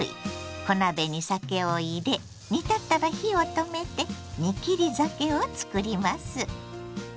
小鍋に酒を入れ煮立ったら火を止めて「煮切り酒」をつくります。